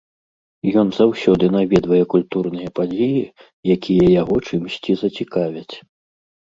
Ён заўсёды наведвае культурныя падзеі, якія яго чымсьці зацікавяць.